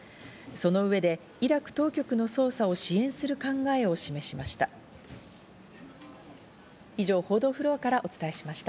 その上でイラク当局の捜査を支援する考えも示しました。